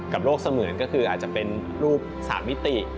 กับโลกเสมือนก็คืออาจจะเป็นรูปสามมิติ